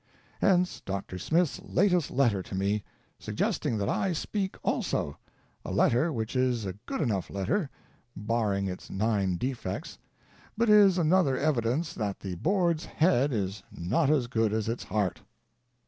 Hence Dr. Smith's latest letter to me, suggesting that I speak also — a letter which is a good enough letter, barring its nine defects, but is another evi dence that the Board's head is not as good as its heart.